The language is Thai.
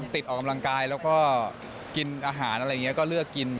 ออกกำลังกายแล้วก็กินอาหารอะไรอย่างนี้ก็เลือกกิน